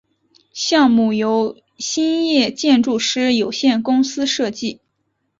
项目由兴业建筑师有限公司设计。